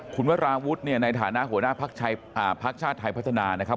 คุณวัดราวุธในฐานะหัวหน้าภาคชาติไทยพัฒนานะครับ